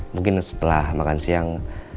mungkin setelah makan siang